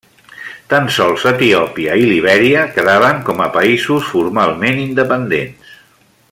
Tan sols Etiòpia i Libèria quedaven com a països formalment independents.